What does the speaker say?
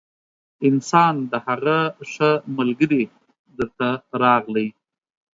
انسان د هغه ښه ملګري در ته راغلی